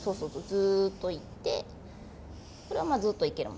ずっといってこれはずっといけるもんね。